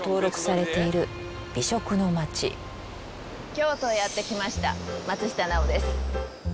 京都へやって来ました松下奈緒です。